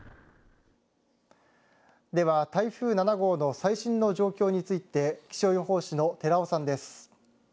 では台風７号の最新の状況について気象予報士の寺尾さんです。